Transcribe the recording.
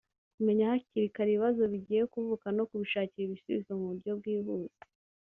kumenya hakiri kare ibibazo bigiye kuvuka no kubishakira ibisubizo mu buryo bwihuse"